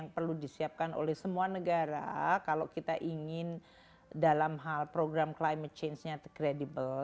yang perlu disiapkan oleh semua negara kalau kita ingin dalam hal program climate change nya